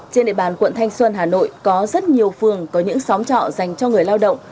trên địa bàn quận thanh xuân hà nội có rất nhiều phường có những xóm trọ dành cho người lao động